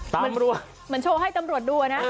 ตำรวจนะเหมือนโชว์ให้ตำรวจดูน่ะนะ